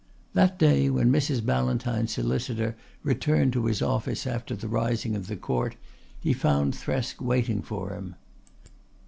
That day, when Mrs. Ballantyne's solicitor returned to his office after the rising of the Court, he found Thresk waiting for him.